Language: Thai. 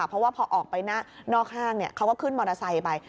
เพราะว่าพอออกไปนอกห้างเขาก็ขึ้นมอเตอร์ไซค์ไป